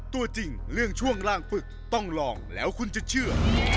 ตัวจริงเรื่องช่วงล่างฝึกต้องลองแล้วคุณจะเชื่อ